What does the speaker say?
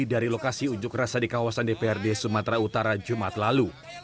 dari lokasi unjuk rasa di kawasan dprd sumatera utara jumat lalu